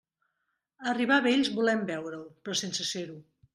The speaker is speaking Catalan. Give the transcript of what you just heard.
Arribar a vells volem veure-ho, però sense ser-ho.